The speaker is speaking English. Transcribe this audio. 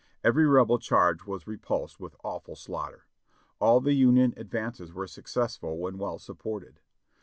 Every Rebel charge was repulsed with awful slaughter. All the Union advances were successful when well supported.